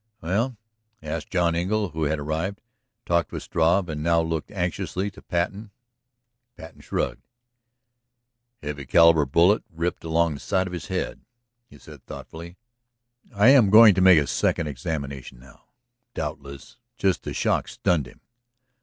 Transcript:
"Well?" asked John Engle who had arrived, talked with Struve, and now looked anxiously to Patten. Patten shrugged. "Heavy caliber bullet ripped along the side of his head," he said thoughtfully. "I am going to make a second examination now. Doubtless just the shock stunned him.